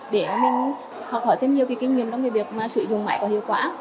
để mình học hỏi thêm nhiều kinh nghiệm trong việc sử dụng máy có hiệu quả